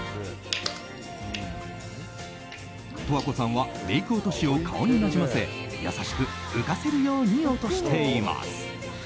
十和子さんはメイク落としを顔になじませ優しく、浮かせるように落としています。